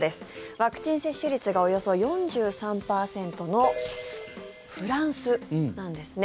ワクチン接種率がおよそ４３％のフランスなんですね。